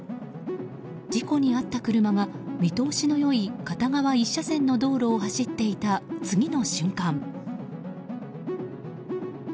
事故に遭った車が見通しの良い片側１車線の道路を走っていた次の瞬間。